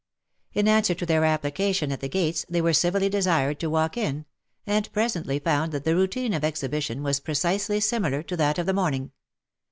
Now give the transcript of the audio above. In answer to their" application at the gates they were civilly desired to walk in, and presently found that the routine of exhi bition was precisely similar to that of the morning.